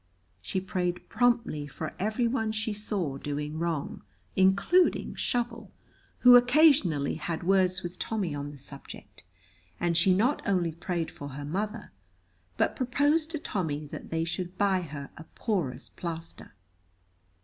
She prayed promptly for every one she saw doing wrong, including Shovel, who occasionally had words with Tommy on the subject, and she not only prayed for her mother, but proposed to Tommy that they should buy her a porous plaster.